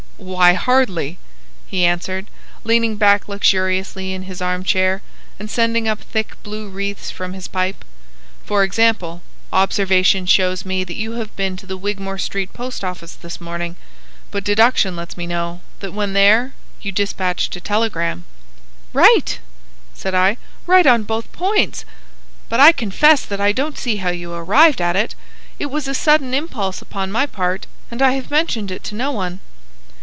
"Why, hardly," he answered, leaning back luxuriously in his arm chair, and sending up thick blue wreaths from his pipe. "For example, observation shows me that you have been to the Wigmore Street Post Office this morning, but deduction lets me know that when there you dispatched a telegram." "Right!" said I. "Right on both points! But I confess that I don't see how you arrived at it. It was a sudden impulse upon my part, and I have mentioned it to no one."